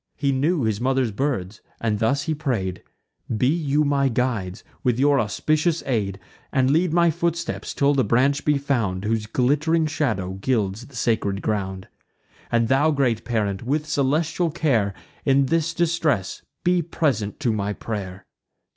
He knew his mother's birds; and thus he pray'd: "Be you my guides, with your auspicious aid, And lead my footsteps, till the branch be found, Whose glitt'ring shadow gilds the sacred ground. And thou, great parent, with celestial care, In this distress be present to my pray'r!"